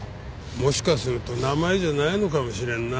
もしかすると名前じゃないのかもしれんな。